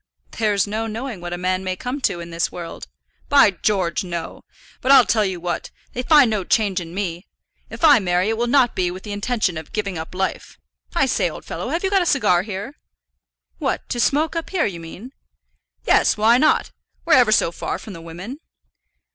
"There's no knowing what a man may come to in this world." "By George, no. But I'll tell you what, they'll find no change in me. If I marry it will not be with the intention of giving up life. I say, old fellow, have you got a cigar here?" "What, to smoke up here, do you mean?" "Yes; why not? we're ever so far from the women."